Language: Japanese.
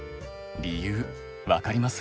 理由分かります？